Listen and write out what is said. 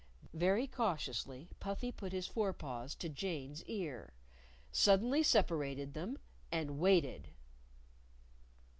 Very cautiously Puffy put his fore paws to Jane's ear suddenly separated them and waited.